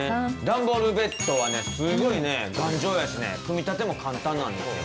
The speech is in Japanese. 段ボールベッドはね、すごいね、頑丈やしね、組み立ても簡単なんですよ。